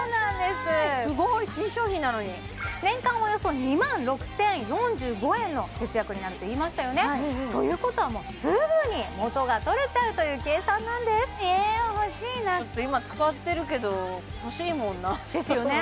すごーい新商品なのに年間およそ２万６０４５円の節約になると言いましたよねということはもうすぐに元がとれちゃうという計算なんですええ欲しいなですよね